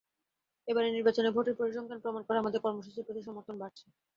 এবারের নির্বাচনে ভোটের পরিসংখ্যান প্রমাণ করে, আমাদের কর্মসূচির প্রতি সমর্থন বাড়ছে।